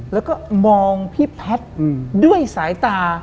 แล้วก็มองพี่แพทย์ด้วยสายตา